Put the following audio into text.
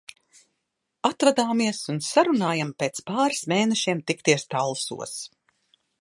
Atvadāmies un sarunājam pēc pāris mēnešiem tikties Talsos.